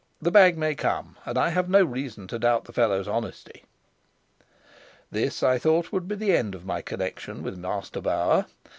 "The bag may come, and I have no reason to doubt the fellow's honesty." This, I thought, would be the end of my connection with Master Bauer.